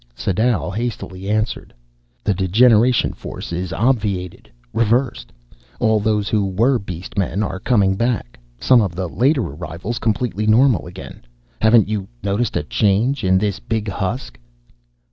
Sadau hastily answered: "The degeneration force is obviated. Reversed. All those who were beast men are coming back, some of the later arrivals completely normal again. Haven't you noticed a change in this big husk?"